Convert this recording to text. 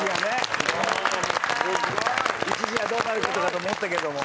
一時はどうなることかと思ったけども。